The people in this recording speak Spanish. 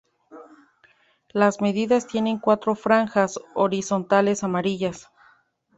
Las medias tiene cuatro franjas horizontales amarillas.